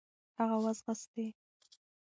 هغه و ځغاستی .